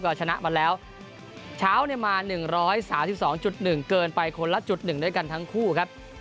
ก็ชนะมาแล้วเช้าเนี่ยมาหนึ่งร้อยสามสี่สองจุดหนึ่งเกินไปคนละจุดหนึ่งด้วยกันทั้งคู่ครับ